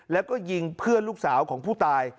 แล้วก็ยิงเพื่อนลูกสาวของผู้ตาย